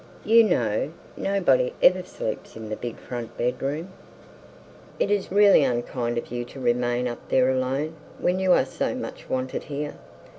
You know nobody ever sleeps in the big front bed room. It is really unkind of you to remain there alone, when you are so much wanted here.'